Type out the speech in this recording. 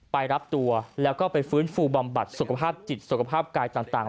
ไปรับตัวแล้วก็ไปฟื้นฟูบำบัดสุขภาพจิตสุขภาพกายต่าง